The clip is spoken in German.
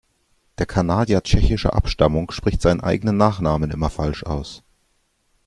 Der Kanadier tschechischer Abstammung spricht seinen eigenen Nachnamen immer falsch aus.